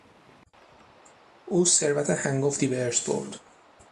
او ثروت هنگفتی به ارث برد.